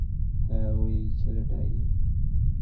হ্যাঁ, ওই ছেলেটাই।